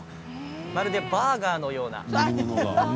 まるでバーガーのような。